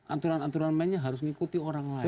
aturan aturan mainnya harus mengikuti orang lain